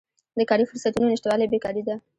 د کاري فرصتونو نشتوالی بیکاري ده.